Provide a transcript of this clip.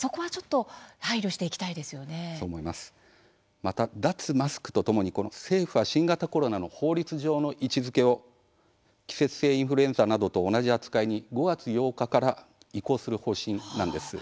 また、脱マスクとともに政府は新型コロナの法律上の位置づけを季節性インフルエンザなどと同じ扱いに５月８日から移行する方針なんです。